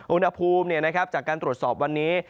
อุณหภูมิจากการตรวจสอบวันนี้